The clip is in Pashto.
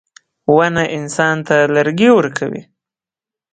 • ونه انسان ته لرګي ورکوي.